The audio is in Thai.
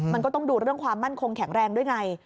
มันก็ต้องดูเรื่องความมั่นคงแข็งแรงด้วยไง